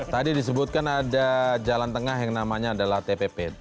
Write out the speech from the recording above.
tadi disebutkan ada jalan tengah yang namanya adalah tpp